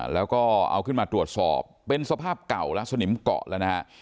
แล้วก็เอาขึ้นมาตรวจสอบเป็นสภาพเก่าแล้วสนิมเกาะแล้วนะฮะ